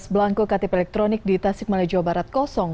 belangku ktp elektronik di tasik malaya jawa barat kosong